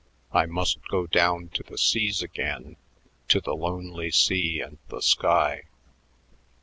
"I must go down to the seas again, To the lonely sea and the sky....